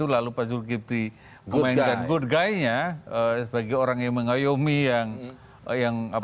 lalu pak zulkifli memainkan good guy nya sebagai orang yang mengayomi yang